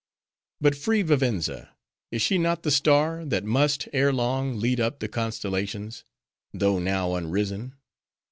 "But free Vivenza! Is she not the star, that must, ere long, lead up the constellations, though now unrisen?